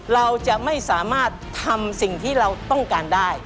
เราจะไม่สามารถทำสิ่งที่เราต้องการได้